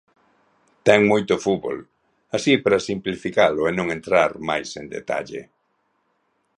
Ten moito fútbol, así para simplificalo e non entrar máis en detalle.